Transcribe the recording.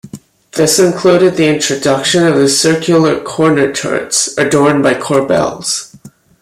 This included the introduction of the circular corner turrets adorned by corbels.